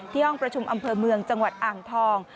ห้องประชุมอำเภอเมืองจังหวัดอ่างทอง